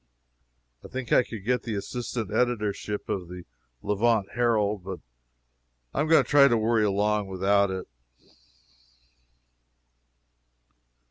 I think I could get the assistant editorship of the Levant Herald, but I am going to try to worry along without it.